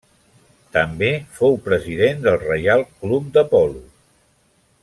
També fou president del Reial Club de Polo.